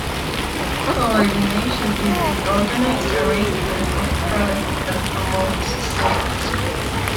Coordination is the organised arrangement of product that promotes sales.